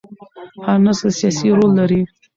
هر نسل سیاسي رول لري